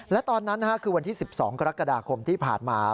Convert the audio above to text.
และตอนนั้นคือวันที่๑๒กรกฎาคมที่ผ่านมา